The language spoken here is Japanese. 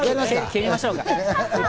蹴りましょうか。